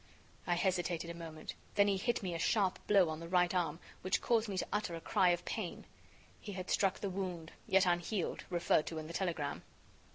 I hesitated a moment. Then he hit me a sharp blow on the right arm, which caused me to utter a cry of pain. He had struck the wound, yet unhealed, referred to in the telegram.